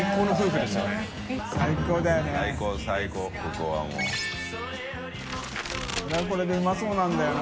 これでうまそうなんだよな。